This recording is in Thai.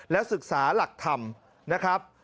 และศึกษาหลักธรรมนะครับ